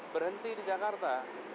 berhenti di jakarta